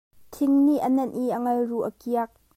Thing nih a nenh i a ngal ruh a kiak.